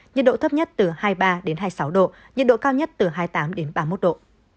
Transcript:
nhiệt độ thấp nhất từ hai mươi ba đến hai mươi sáu độ nhiệt độ cao nhất từ hai mươi tám ba mươi một độ